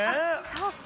そうか。